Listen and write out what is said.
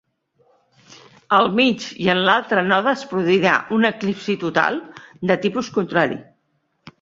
Al mig i en l'altre node es produirà un eclipsi total de tipus contrari.